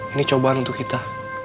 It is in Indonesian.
ini cobaan untuk kita